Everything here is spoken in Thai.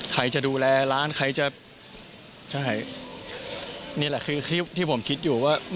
ใครจะดูแลร้านใครจะใช่นี่แหละคือคลิปที่ผมคิดอยู่ว่า